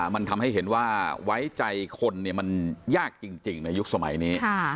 มันทำให้เห็นว่าไว้ใจคนมันยากจริงในยุคสมัยนี้